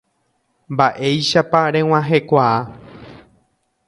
Mba'éichapa reg̃uahẽkuaa.